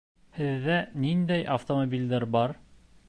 Һеҙҙә ниндәй автомобилдәр бар?